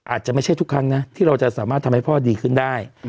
อาจจะไม่ใช่ทุกครั้งนะที่เราจะสามารถทำให้พ่อดีขึ้นได้